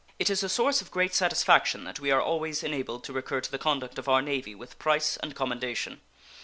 It is a source of great satisfaction that we are always enabled to recur to the conduct of our Navy with price and commendation.